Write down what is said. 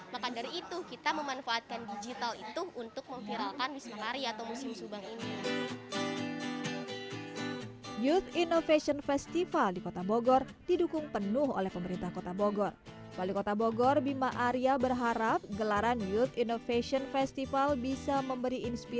maka dari itu kita memanfaatkan digital itu untuk memviralkan misma lari atau museum subang ini